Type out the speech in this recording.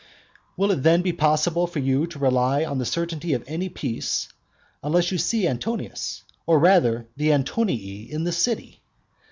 VI. Will it then be possible for you to rely on the certainty of any peace, when you see Antonius, or rather the Antonii, in the city?